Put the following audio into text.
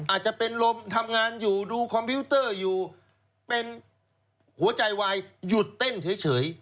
อาจจะเป็นลมทำงานอยู่ดูคอมพิวเตอร์อยู่เป็นหัวใจวายหยุดเต้นเฉย